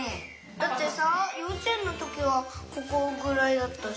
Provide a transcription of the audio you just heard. だってさようちえんのときはここぐらいだったし。